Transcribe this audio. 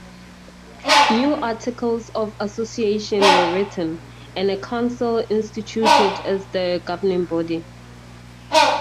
New Articles of Association were written, and a Council instituted as the governing body.